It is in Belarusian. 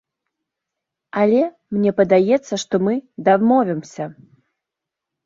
Але мне падаецца, што мы дамовімся.